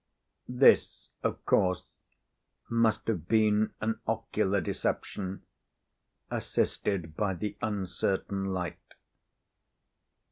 This, of course, must have been an ocular deception, assisted by the uncertain light.